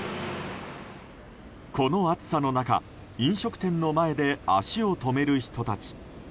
この暑さの中飲食店の前で足を止める人たち。